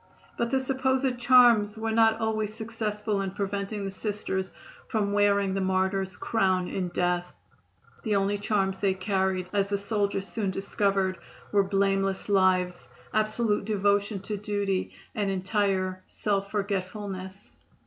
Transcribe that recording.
But the supposed charms were not always successful in preventing the Sisters from wearing the martyr's crown in death. The only charms they carried, as the soldiers soon discovered, were blameless lives, absolute devotion to duty and entire self forgetfulness.